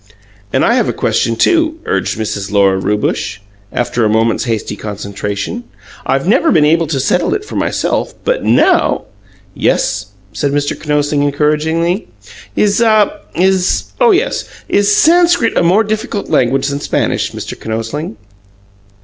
"And I have a question, too," urged Mrs. Lora Rewbush, after a moment's hasty concentration. "'I've never been able to settle it for myself, but NOW " "Yes?" said Mr. Kinosling encouragingly. "Is ah is oh, yes: Is Sanskrit a more difficult language than Spanish, Mr. Kinosling?"